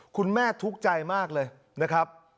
คุณแม่ทุกข์ใจมากเลยนะครับ